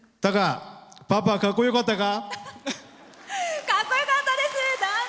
パパ、かっこよかったか？